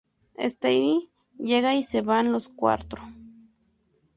Stevie llega y se van los cuatro.